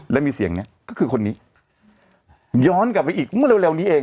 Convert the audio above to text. แล้วมีเสียงเนี้ยก็คือคนนี้ย้อนกลับไปอีกเมื่อเร็วนี้เอง